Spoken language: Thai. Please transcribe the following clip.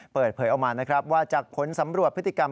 เปิดเผยออกมานะครับว่าจากผลสำรวจพฤติกรรม